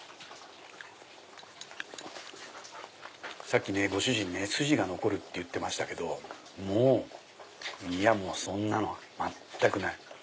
さっきご主人筋が残るって言ってましたけどもうそんなのは全くない。